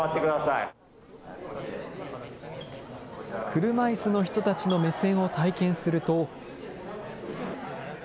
車いすの人たちの目線を体験すると。